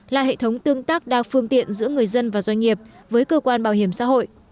là hệ thống tương tác đa phương tiện giữa người dân và doanh nghiệp với cơ quan bảo hiểm xã hội